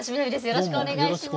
よろしくお願いします。